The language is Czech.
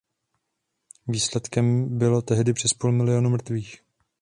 Výsledkem bylo tehdy přes půl milionu mrtvých.